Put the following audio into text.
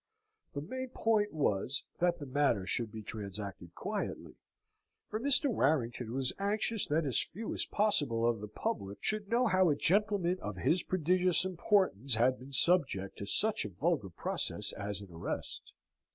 The main point was, that the matter should be transacted quietly, for Mr. Warrington was anxious that as few as possible of the public should know how a gentleman of his prodigious importance had been subject to such a vulgar process as an arrest.